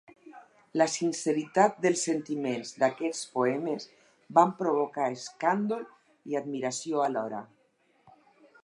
La sinceritat dels sentiments d’aquests poemes van provocar escàndol i admiració a l’hora.